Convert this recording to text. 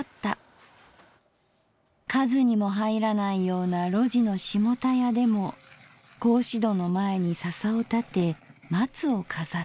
数にもはいらないような路地のしもたやでも格子戸の前に笹を立て松を飾った。